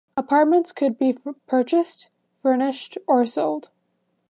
Apartments could be purchased, furnished, or sold.